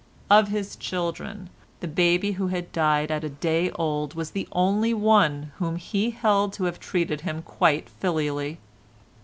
Of his children, the baby who had died at a day old was the only one whom he held to have treated him quite filially.